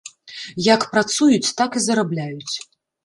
Як працуюць, так і зарабляюць.